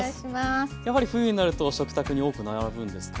やはり冬になると食卓に多く並ぶんですか？